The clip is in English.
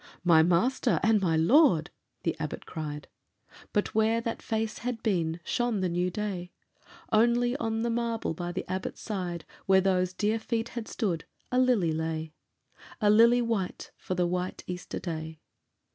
"My Master and my Lord!" the Abbot cried. But, where that face had been, shone the new day; Only on the marble by the Abbot's side, Where those dear feet had stood, a lily lay A lily white for the white Easter Day.